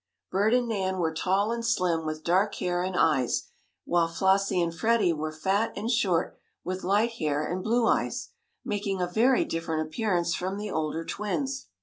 Bert and Nan were tall and slim, with dark hair and eyes, while Flossie and Freddie were fat and short, with light hair and blue eyes, making a very different appearance from the older twins.